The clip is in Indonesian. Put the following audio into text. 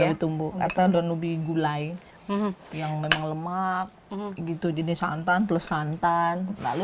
bu tumbuk atau danubi gulai yang memang lemak gitu jadi santan plus santan lalu